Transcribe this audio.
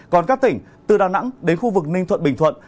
còn các tỉnh từ đà nẵng đến khu vực ninh thuận bình thuận